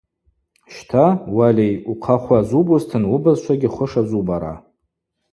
Щта, уальай, ухъа хвы азубузтын уыбызшвагьи хвы шазубара.